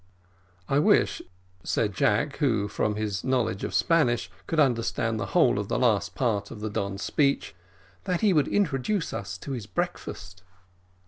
"I wish," said Jack, who, from his knowledge of Spanish, could understand the whole of the last part of the Don's speech, "that he would introduce us to his breakfast."